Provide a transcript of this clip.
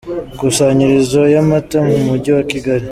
Ikusanyirizo y’amata mu Mujyi wa Kigali